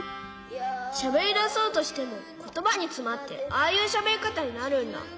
しゃべりだそうとしてもことばにつまってああいうしゃべりかたになるんだ。